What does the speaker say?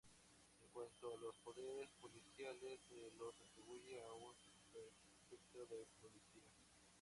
En cuanto a los poderes policiales, se los atribuye a un prefecto de policía.